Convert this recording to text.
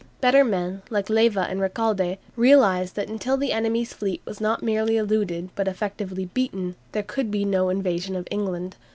Better men, like Leyva and Recalde, realized that until the enemy's fleet was not merely eluded, but effectively beaten, there could be no invasion of England.